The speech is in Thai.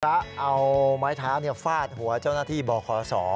พระเอาไม้เท้าฟาดหัวเจ้าหน้าที่บขศ